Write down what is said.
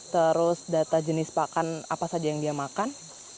terus data jenis pakan apa saja yang dia makan